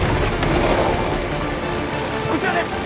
こちらです。